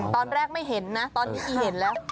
ตอนแรกไม่เห็นนะตอนนี้อีเห็นแล้ว